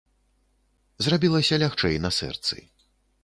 Зрабілася лягчэй на сэрцы.